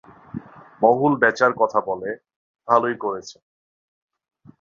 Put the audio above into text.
মহল বেচার কথাটা বলে, ভালোই করছেন।